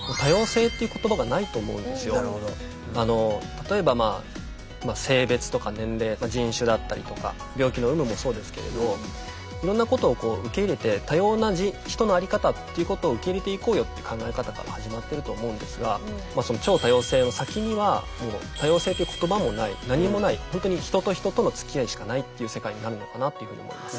例えば性別とか年齢人種だったりとか病気の有無もそうですけれどいろんなことをこう受け入れて多様な人の在り方っていうことを受け入れていこうよって考え方から始まってると思うんですがその超多様性の先にはもう「多様性」って言葉もない何もないほんとに人と人とのつきあいしかないっていう世界になるのかなというふうに思います。